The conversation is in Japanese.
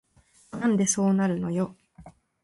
なんでそうなるのよ